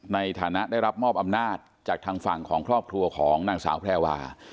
ในฐานะได้รับมอบอำนาจจากทางฝั่งของครอบครัวของนางสาวแพรวา